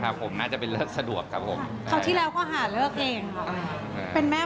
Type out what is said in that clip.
คราวนี้ก็เลยเดี๋ยวลองดูอีกสักทีแล้วกัน